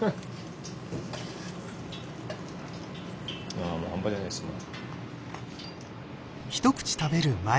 あもう半端じゃないっすね。